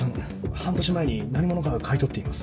半年前に何者かが買い取っています。